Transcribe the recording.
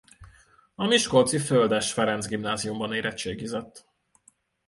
A miskolci Földes Ferenc Gimnáziumban érettségizett.